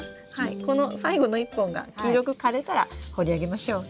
この最後の１本が黄色く枯れたら掘り上げましょう。